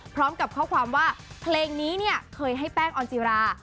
พร้อมกับข้อความว่าเพลงนี้เนี่ยเคยให้แป้งออนจิรา